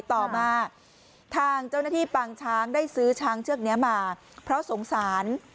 ต่อมาทางเจ้าหน้าที่ปางช้างได้ซื้อช้างเชือกนี้มาเพราะสงสาร